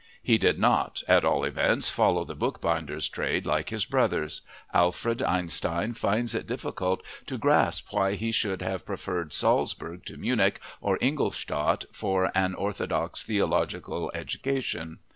He did not, at all events, follow the bookbinder's trade like his brothers. Alfred Einstein finds it difficult to grasp why he should have preferred Salzburg to Munich or Ingolstadt for an orthodox theological education.